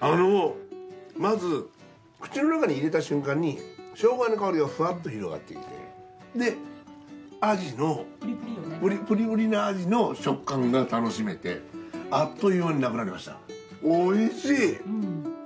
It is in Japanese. あのまず口の中に入れた瞬間に生姜の香りがふわっと広がっていってでプリプリなアジの食感が楽しめてあっという間になくなりましたおいしい！